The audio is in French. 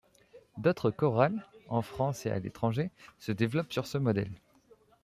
D'autres chorales, en France et à l'étranger, se développent sur ce modèle.